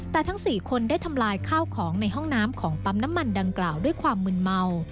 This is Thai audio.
แต่ทั้ง๔คนได้ทำลายข้าวของในห้องน้ำของปั๊มน้ำมันดังกล่าวด้วยความมืนเมา